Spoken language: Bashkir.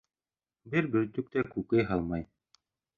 Бер бөртөк тә күкәй һалмай